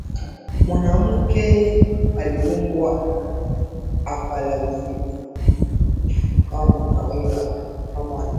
mwanamke aliumbwa akamaliziwa kama kawaida kama alivyoumbwa mwamume